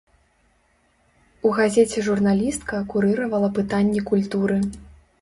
У газеце журналістка курыравала пытанні культуры.